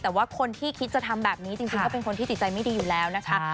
แต่ว่าคนที่คิดจะทำแบบนี้จริงก็เป็นคนที่จิตใจไม่ดีอยู่แล้วนะคะ